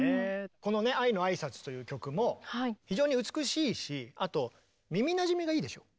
このね「愛のあいさつ」という曲も非常に美しいしあと耳なじみがいいでしょう。